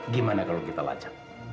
gimana kalau kita lanjar